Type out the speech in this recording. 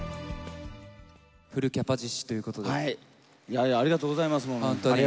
フルキャパシティーというこいやいや、ありがとうございます、本当に。